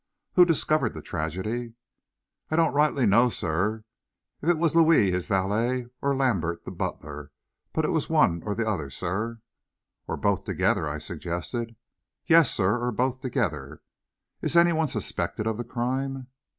"Who discovered the tragedy?" "I don't rightly know, sir, if it was Louis, his valet, or Lambert, the butler, but it was one or t'other, sir." "Or both together?" I suggested. "Yes, sir; or both together." "Is any one suspected of the crime?"